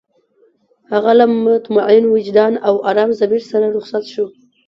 هغه له مطمئن وجدان او ارام ضمير سره رخصت شو.